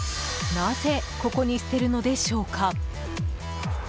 なぜここに捨てるのでしょうか。